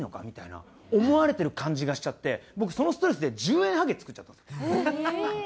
みたいな思われてる感じがしちゃって僕そのストレスで１０円ハゲ作っちゃったんですよ。